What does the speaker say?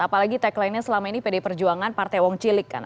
apalagi tagline nya selama ini pdi perjuangan partai wong cilik kan